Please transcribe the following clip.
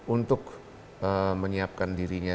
untuk menyiapkan dirinya